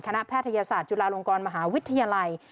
แพทยศาสตร์จุฬาลงกรมหาวิทยาลัย